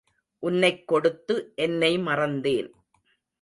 உன்னைக் கொடுத்து என்னை மறந்தேன்.